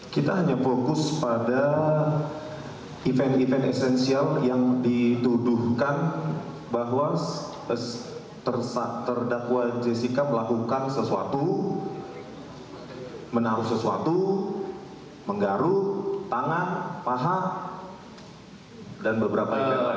kita hanya fokus pada event event esensial yang dituduhkan bahwa terdakwa jessica melakukan sesuatu menaruh sesuatu menggaruh tangan paha dan beberapa ide